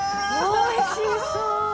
おいしそう！